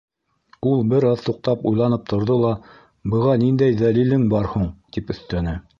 — Ул, бер аҙ туҡтап, уйланып торҙо ла: — Быға ниндәй дәлилең бар һуң? — тип өҫтәне.